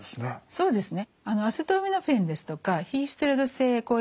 そうですね。